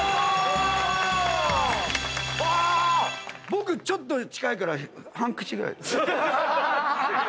僕ちょっと近いから半口ぐらい。